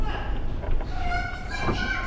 ガラピコちゃん！